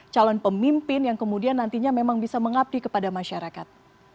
calon pemimpin yang kemudian nantinya memang bisa mengabdi kepada masyarakat